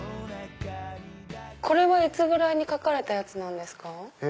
これはいつぐらいに描かれたやつなんですか？